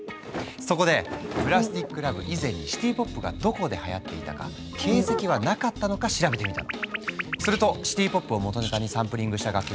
そこで「ＰＬＡＳＴＩＣＬＯＶＥ」以前にシティ・ポップがどこではやっていたか形跡はなかったのか調べてみたの。